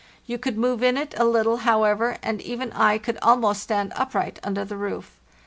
You could move in it a little, however, and even I could almost stand up right under the roof.